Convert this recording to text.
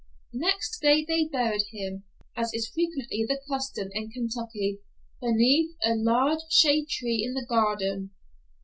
Next day they buried him, as is frequently the custom in Kentucky, beneath a large shade tree in the garden.